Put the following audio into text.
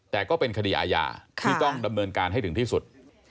แต่ก็เป็นคดีอาญาที่ต้องดำเนินการให้ถึงที่สุด